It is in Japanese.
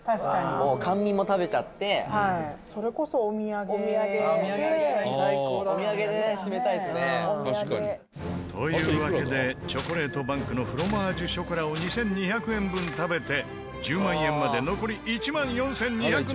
「もう甘味も食べちゃって」というわけでチョコレートバンクのフロマージュショコラを２２００円分食べて１０万円まで残り１万４２７０円。